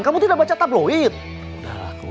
kamu tidak baca tabloid